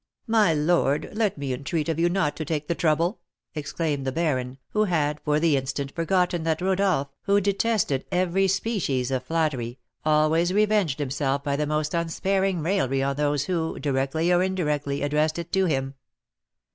"My lord, let me entreat of you not to take the trouble," exclaimed the baron, who had for the instant forgotten that Rodolph, who detested every species of flattery, always revenged himself by the most unsparing raillery on those who, directly or indirectly, addressed it to him.